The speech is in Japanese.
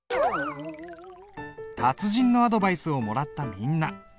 達人のアドバイスをもらったみんな。